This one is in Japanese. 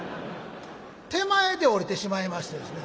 手前で降りてしまいましてですね。